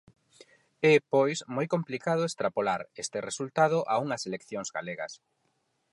É, pois, moi complicado extrapolar este resultado a unhas eleccións galegas.